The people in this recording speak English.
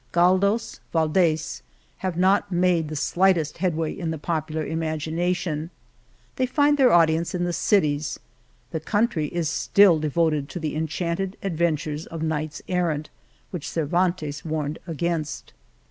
Galdos, Valdes have not made the slightest headway in the popular imagina tion. They find their audience in the cities — the country is still devoted to the en chanted adventures of knights errant which Cervantes warred against.